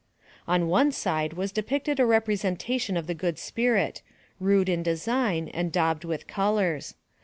On one side was depicted a representation of the Good Spirit, rude in design, and daubed with colors.